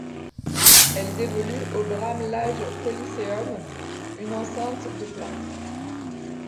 Elles évoluent au Bramlage Coliseum, une enceinte de places.